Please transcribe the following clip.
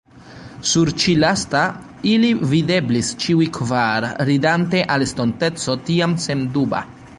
Sur ĉi lasta ili videblis ĉiuj kvar, ridante al estonteco tiam senduba.